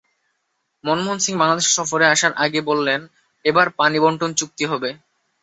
মনমোহন সিং বাংলাদেশে সফরে আসার আগে বললেন, এবার পানিবণ্টন চুক্তি হবে।